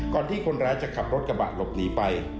ที่คนร้ายจะขับรถกระบะหลบหนีไป